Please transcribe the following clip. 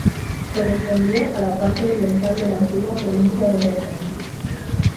Correspondía a la parte oriental de la antigua provincia de "Normandie".